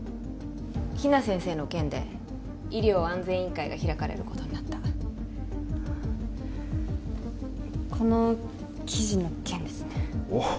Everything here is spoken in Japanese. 比奈先生の件で医療安全委員会が開かれることになったこの記事の件ですねおっ